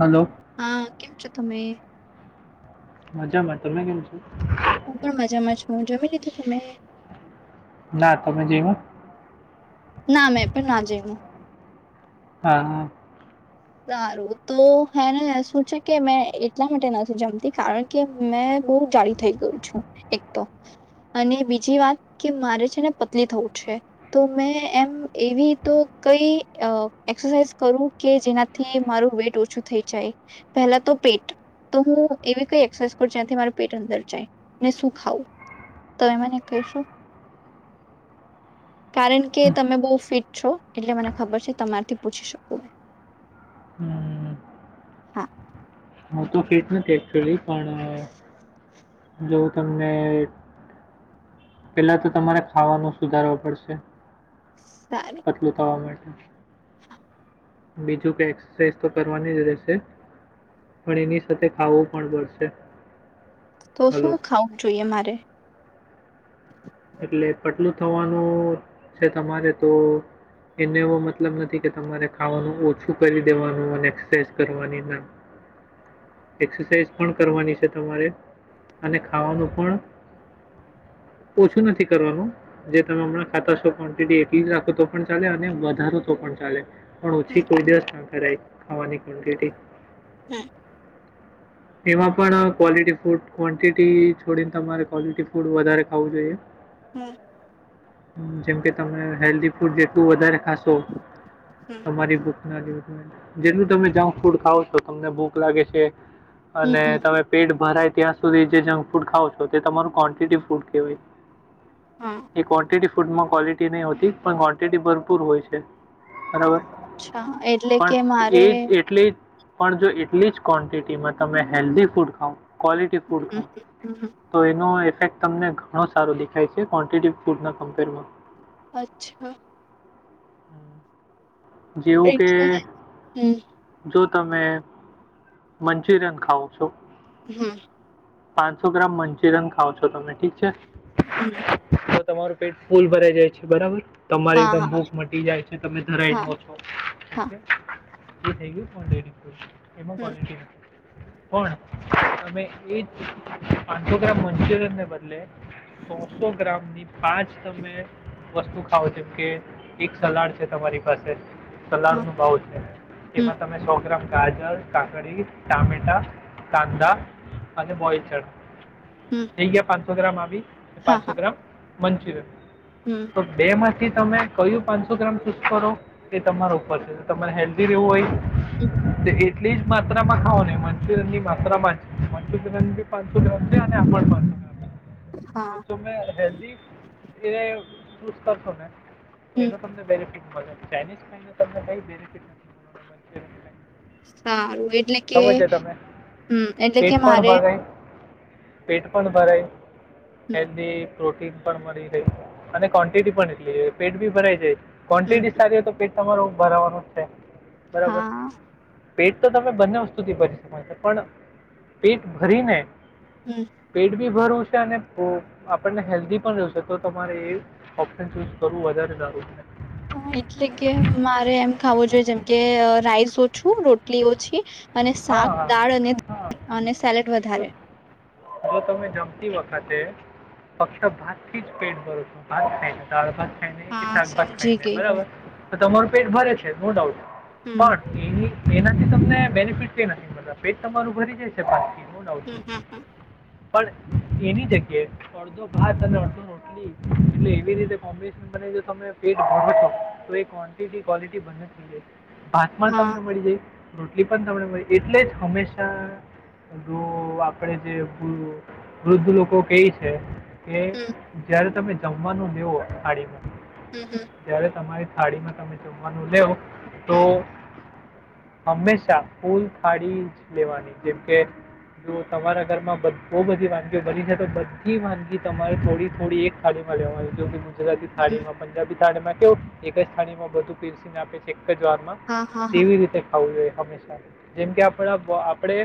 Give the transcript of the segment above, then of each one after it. Hello હા કેમ છતો મે મજામાં તમે કેમ છો હું પણ મજામાં છું જમી લીધું તમે ના તમે જઓ ના મેં પણ ના જયું હા હા સારું તો હને શું છે કે મેં એટલા માટે નથી જમતી કારણ કે મેં બહ જાડીી થઈ ગયું છું એક તો અને બીજી વાત કે મારે છે ને પતલી થવું છે તો મેં એમ એવી તો કઈરસાઇઝ કરું કે જેના થી મારું વેટ ઓછું થઈ જાય પહેલા તો પેટ તો હું એવી કઈ એસરસાઇઝ કરું જ્યાંથી માર પેટ અંદર જાય અને શું ખાવું તમે મને કહીશો કારણ કે તમે બહ ફિટ છો એટલે મને ખબર છે તમારથી પૂછી શકો હમ હા હું તો ફિટ નથી એકક્ચુઅલી પણ [inaudible] જોવું તમને પેલા તો તમારે ખાવાનું સુધારવ પડશે સારું પતલુંતાવા માટે બીજું ક એક્સરસાઇઝ તો કરવાની જ રહેશે પણ એની સાથે ખાવું પણ પડશે તો હલો શું ખાવું જોઈએ મારે એટલે પટલું થવાનું છે તમારે તો એને એવો મતલબ નથી કે તમારે ખાવાનું ઓછું કરી દેવાનું અને એક્સરસાઇઝ કરવાની ના એક્સરસાઇઝ પણ કરવાની છે તમારે અને ખાવાનું પણ ઓછું નથી કરવાનું જે તમે હમણાં ખાતા છો ક્વોન્ટિટી એટલી જ રાખો તો પણ ચાલે અને વધારો તો પણ ચાલે પણ હમ ઓછી કોઈ દિવસ ના ખવાની ક્ન્ટટી હમ એમાં પણ ક્વલિટી ફૂડ ક્વન્ટિટી છોડીને તમારે ક્વલટી ફૂડ વધારે [inaudible] હમ જેમ કે તમે હેલ્ધ ફૂડ જેટલું વધારે ખાશો હમ તમારી બુક જેલું તમે જંક ફૂડ ખાવ તો તમને ભૂખ લાગે છે હમ અને હમ તમે પેટ ભરાય ત્યાં સુધી જે જંક ફૂડ ખાવઓ છો તે તમારું ક્વોન્ટિટી ફૂડ કે હોય હા કન્ટિટી ફૂડમાં ક્વોલિટી નહીં હોતી પણ ક્વોન્ટિટી ભરપૂર હોય છે બરાબર અચ્છા એટલે પણ કે મારે એ જ એટલી પણ જો એટલી જ ક્વોન્ટિટીમાં તમે હેલ્ધી ફૂડ ખાવ ક્લિટી ફૂડ હમ હમ હમ તો એનો ફે તમને ઘણો સારો દેખાય છે ક્વોન્ટિટી ફૂડના કમ્પેરમાં અચ્છા [inaudible] જેવું કે એટલે હમ જો તમે મંચુરિયન ખાવ છો [inaudible] પાંચસો ગ્રામ મંચુરિયન ખાવ છો તમે ઠીક છે હમ તો તમારું પેટ ફૂલ ભરાઈ જાય છે બરાબર તમારી હા એકદમ હા ભૂખ મટી જાય છે તમે ધરાઈ હા જાવ છો [inaudible] હા [inaudible] હમ [inaudible] પણ અમે એજ આથોગ્રામ મંચુરિયનને બદલે સોસો ગ્રામની પાંચ તમે વસ્તુ ખાાવ જેમ કે એક સલાડ છે તમારી પાસે સલાડ હા નું ભાવ છે હમ એમાં તમે સો ગ્રામ ગાજર કાકડી ટમેટા કાંદા અને બોયલચટ હમ થઠીયા પાંચ સુધરામાં આવીી હા પાંચસો હા ગ્રામ મંચરે હમ તો બે માં થી તમે કયું પાંચસો ગ્રામ શુસ્ કરો એ તમારા ઉપર છે તમારે હેલ્ધી રહેવું હોય તો [inaudible] એટલી જ માત્રામાં ખાાવો ને મંચુરિયન ની માત્રામાં જ મંચુરિયન પાંચસો લે અને આપણ પાં તો હા તુંમેમે હેલ્દીી એ ચૂઝ કરશો ને તો હમ એનો તમને બેનિફિટ મળે. ચાઇનીઝ. તમને કંઈ બેનિફિટ નથી. [unintelligible] સારું, એટલે કે સમજ્યા તમે હમ, એટલે કે મારે પેઠ પણ ભરાય. હમ એની પ્રોટીન પણ મળી અને ક્વોન્ટિટી પણ એટલી પેટ ભી ભરાય જાય. હમ ક્વોન્ટિટી સારી હો તો પેટ. તમારે ઊભા રહેવાનું છે. બરાબર હા. પેટ તો તમે બંને વસ્તુથી ભરી શકો છો, પણ પેટ ભરીને હમ. પેટ બી ભરવું છે અને આપણને હેલ્ધી પણ રહેશે, તો તમારે એ ઓપ્શન ચૂઝ કરવું વધારે સારું છે. હ. એટલે કે મારે એમ ખાવું જોઈએ, જેમ કે રાઈસ ઓછું, રોટલી. રોટલી ઓછી અને હા શાક હા દાળ અને હા અને સેલેડ જો વધારે. જો તમે જમતી વખતે ફક્ત ભાતથી જ પેટ ભરે છે. ભાત ખાય, દાળ‌ ભાત. કે હા શાકભાત સમજી ખાઈને ગઈ મેં બરોબર. તમારુ પેટ ભરે છે, નો ડાઉટ. હમ પણ એનાથી તમને બેફ [unintelligible] પેટ તમારું ભરી જાયશે, બાકી. હમ, હમ, હમ. પણ એની જગ્યાએ અડધો ભાત અને અડધો રોટલી, એટલે એવી રીતે કોમ્બિનેશન બને. તમે પેટ ભરો છો, તો એ કોન્ટીટી ક્વોલટી બને થઈ જાય છે. ભાત પણ હા તમને મળી જાય. રોટલી પણ તમે એટલે જ હંમેશા, જો આપણે જે વૃદ્ધ લોકો કહી છે. કે હમ જયારે તમે જમવાનું લેવો થાડી. હમ હમ જ્યારે તમારે થાળીમાં તમે જમવાનું લેવ. હમ તો હંમેશા. ફૂલ થાળી જ લેવાની, જેમકે જો તમારા ઘરમાં બઘી બહુ બધી વાનગીઓ બની છે, તો બધી વાનગી તમારે થોડી થોડી એક થાળી માં લેવાની, જો કે. થાળડીમાંં, હમ થાળીમાં. એક જ થાળી માં બધું પીરસીન આપે છે. દરમાં હા હા હા કેવી રીતે ખાવું જોઈએ. હંમેશા જેમકે આપ આપણે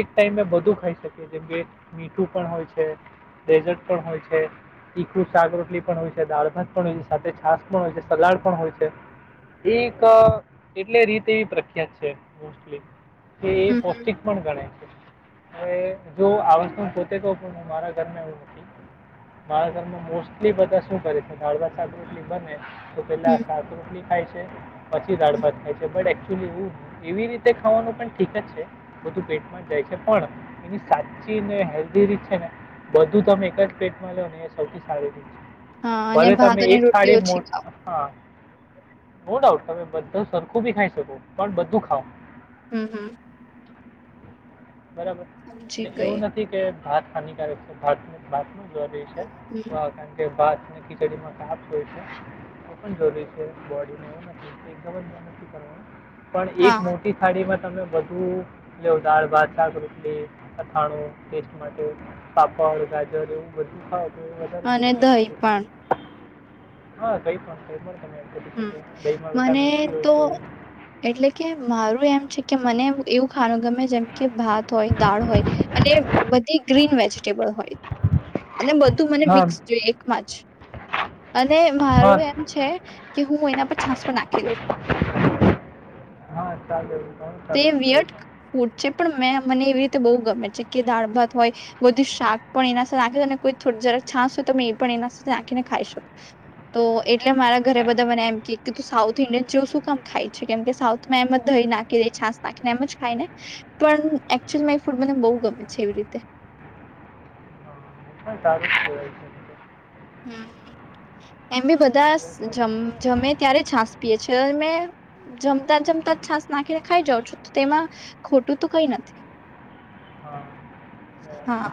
એક ટાઈમે બધું ખાઈ શકીએ જેમકે મીઠું પણ હોય છે ડેઝર્ટ પણ હોય છે ચીખું શાકરોટલી પણ હોય છે દાળ ભાત પણ હોય છે સાથે છાસ પણ હોય છે સલાડ પણ હોય છે એ એટલે રીતે એવી પ્રખ્યાત છે. [inaudible] કે એ હમ હમ પૌષ્ટિક પણ ગણેાય છે. હવે જો આ વસ્તુ પોતે તો મારા ઘર એવું નથી મારા ઘરમાં મોસ્ટલી બધા શું કરે છેક એટલી બને. તો પેલા હમ સાાક રોટલી ખાય છે પછી દાડ હમ ભાત ખાય છે બટ વું એવી રીતે તે ખાવાનું પણ ઠીક જ છે બધું પેટમાં જ જાય છે પણ એની સાચી ને હેલ્ધી રીત છે ને બધું તમે એક જ પેટમાં લો ને એ સૌથી સારી રીત છે. હા અને ભલે તમે ભાત અને એક થાળે રોટલી મો ઓછી ખાવ હા. નો ડાઉટ તમે બધ સરખું બી ખાઈ શકો પણ બધું ખાવ. હમ હમ. બરાબર સમજી એટલે ગઈ એવું નથી કે ભાત ખાની્ય ભાત ભાત છે હમ કારણ કે બાદ ખીચડીમાં કાફ હોય છે એ પણ જરૂરી છે બડી એક જ મન કર પણ એક હા મો ડીમાં તમે બધું લ દાળ ભાત શાક રોટલી અથાણું ટેસ્ટ માટે પાપડ ગાજર એવું બધું ખાવ. વધારે અને બેનિફિટ દહીં પણ કરી હા કઈ પણ કઈ પણ તમે એમ કરી હમ શકો દહીંમાં મને વિટામિન સી હોય તો છે એટલે કે મારું એમ છે કે મને એવું ખાનું ગમે જેમ કે ભાત હોય દાળ હોય અને બધી ગ્રીન વેજીટેબલ હોય અને બધું મને હા મિક્સ જોઈ એકમાં જ અને મારું હા એમ છે. કે હું એના પર નાખી દ હા ચાલે એવું ઘણું તે સારું કહેવાય છે. વટ ફૂટ છે પણ મેં મને એવી રી બ ગમે છે કે દાળ ભાત હોય બધું શાક પણ એનાખે જરાક છાસ હોય તમે એ પણ એના આખીને ખાઈ શકો તો એટલે ઘરે બધા મને એમ કેું સાઉથ ઇન્ડિયન જે શું કામ ખાય છે કેમ કે સાઉથમાં એમ જ દહી નાખી દ છાાસ નાખીને એમ જ ખાય ને પણ એકચુલી એ ફૂડ મને બહુ ગમે છે એવી રીતે હ સારું જ જોય છે. હમ એમ બી બધ તસ જમે ત્યારે છાસ પ છે મેં જમતા જ જમતા જ છાસ નાખીને ખાઈ જાઉં છું તેમાં ખોટું તો કઈ નથી. હા હા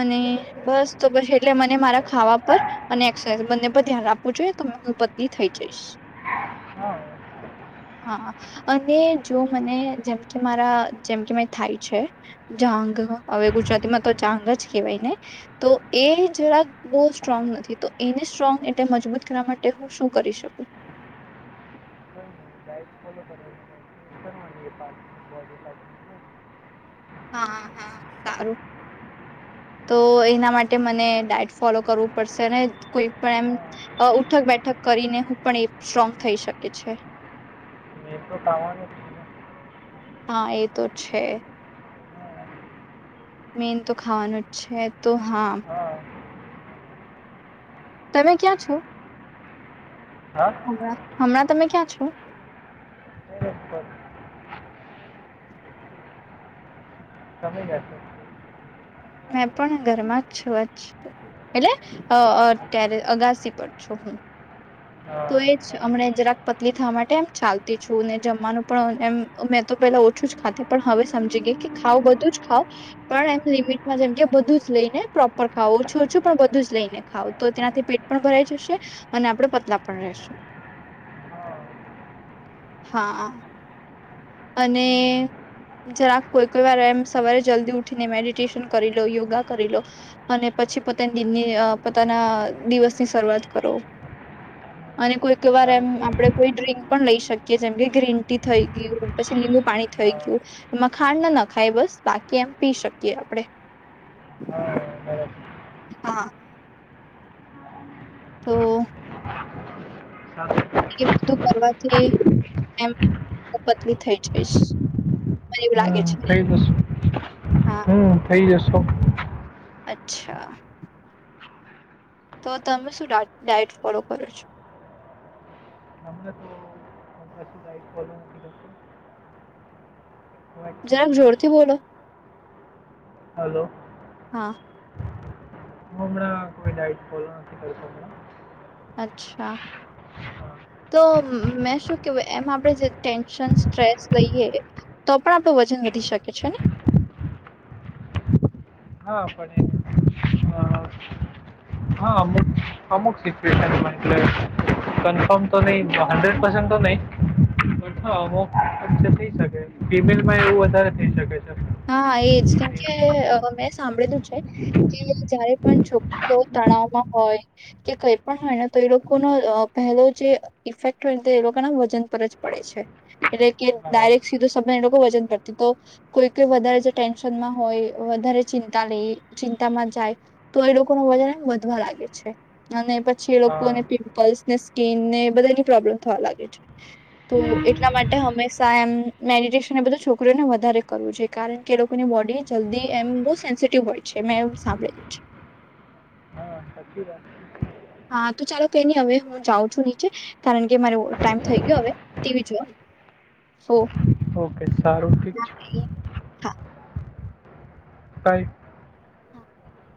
અને બસ તો બસ એટલે મને મારા ખાવા પર અને એક્સરસાઇઝ બંને પર ધ્યાન રાખવું જોઈએ તો હું બદલી થઇ જઈશ. હા કંઈ હા અને જો મને જેમ કે મારા જેમ કે મે થાય છે જહાંગ હવે ગુજરાતીમાં તો જાંગ જ કહેવાય ને તો એ જરાક બહુ સ્ટ્રોંગ નથી તો એને સ્ટ્રોંગ એટલે મજબૂત કરવા માટે હું શું કરી શકું નહીં ડાયટ ફોલો કરવાની કરવાની એ પાછું પાછું. હા હા સારું તો એના માટે મને ડાયટ ફોલો કરવું પડશે અને કોઈ પણ એમ હા ઉઠક બેઠક કરીને હું પણ એ સ્ટ્રોંગ થઈ શકે છે. મેં તો ખાવાનું હા એ તો છે. મેન તો ખાવાનું જ છે તો હા તમે ક્યાં છો. હા હ હમણાં તમે ક્યાં છો. ટેરેસ પર તમે જશે મેં પણ ઘરમાં જ છું એટલેત્યારે અગાસી પર છું હું. હા તો એ જ સારું. હમણા જરાક પતલી થવા માટે એમ ચાલતી છું ને જમવાનું પણ એમ મેં તો પેલા ઓછું જ ખાતી પણ હવે સમજી ગઈ કે ખાવ બધું જ ખાાવ પણ એમ લિમિટમાં જેમ કે બધું જ લઈને પ્રોપર ખાવ ઓછું ઓછું પણ બધું જ લઈને ખાવ તો તેનાથી પેટ પણ ભરાઈ જશે અને આપડે પતલા પણ રેશુ હા હા અને જરા કોઈ કોઈ વાર એમ સવારે જલ્દી ઉઠીને મેડિટેશન કરી લો યોગા કરી લો અને પછી પોતાની દિનની પોતાના દિવસની શરૂઆત કરો અને કોઈક વાર એમ સારું આપણે કહેવાય કોઈ ડ્રિંક પણ લઈ શકીએ જેમ કે ગ્રીન ટી થઈ ગયું પછી લીબુ પાણી થઈ હા ગયું એમાં ખાંડ ના ના ખાય બસ બાકી એમ પી શકીએ આપણેે હા બરાબર હા તો સારું એ બધું કરવાથી એમ પતલી થઈ જઈશ મને એવું લાગે છે થઈ જશે હા હમ થઈ જસ છો. અચ્છા તો તમે શું ડાયટ ફોલો કરો છો. હમણાં તો હું કશું ડાયટ ફોલો નથી કરતો હું જક એકચ્યુલી જોરથી બોલો હલો હા હું હમણાં કોઈ ડાયટ ફોલો નથી કરતો હમણાં અચ્છા અ, તો મેં શું કેવું એમ આપણેે જે ટેન્શન સ્ટ્રેસ લઈએ તો પણ આપણું વજન વધી શકે છે ને હા પણ એ હા અમુક અમુક સિચુએશમાં એટલે કનફર્મ તો નહી હન્ડ્રેડ પસનટ તો નહી અમુકચચે થઈ શકે ફિમેલમાં એવું વધારે થઈ શકે છે હા એજ કેમ કે મેં સાંભળેલું છે કે જયારે પણ છોકરીઓ તણાવમાં હોય કે કઈ પણ હોય ને તો એ લોકોનો પહેલો જે ઇફેક્ટ હોયને તો એ લોકોના વજન પર જ પડે છે એટલે કે હા ડાયરેક્ટ સીધો સમબ એ લોકો વજન પરથી તો કોઈ કે વધારે જે ટેન્શનમાં હોય વધારે ચિંતા લઈ ચિંતામાં જાય તો એ લોકો ન વજન એમ વધવા લાગે છે અને પછી એ હા લોકોને પિમ્પલ્સ ને સ્કીિનને બધાની પ્રોબ્લેમ થવા લાગે છે તો એટલા માટે હંમેશા એમ મેડિટેશન એ બધું છોકરીઓને વધારે કરવું જોઈએ. કારણ કે એ લોકોની બોડી જલ્દી એમ બો સેન્સિટિવ હોય છે મે એમ સાંભળેલું છે. હા સાચી વાત હા તો ચાલો કઈ નહી હવે હું જાઉં છું નીચે કારણ કે મારો ટાઈમ થઈ ગયો હવે ટીવી જોવાનું. ઓકે સારું ઠીક છે. હા બાય [inaudible]